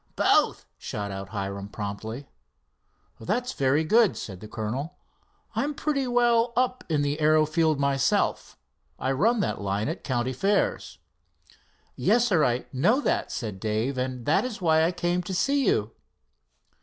"Both," shot out Hiram promptly. "That's very good," said the colonel. "I'm pretty well up in the aero field myself. I run that line at county fairs." "Yes, sir, I know that," said Dave, "and that is why I came to see you."